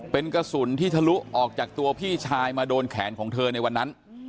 เป็นกระสุนที่ทะลุออกจากตัวพี่ชายมาโดนแขนของเธอในวันนั้น